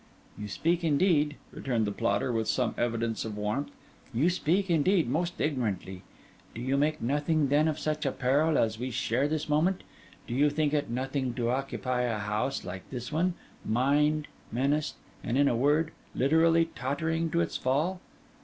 'You speak, indeed,' returned the plotter, with some evidence of warmth, 'you speak, indeed, most ignorantly. Do you make nothing, then, of such a peril as we share this moment? Do you think it nothing to occupy a house like this one, mined, menaced, and, in a word, literally tottering to its fall?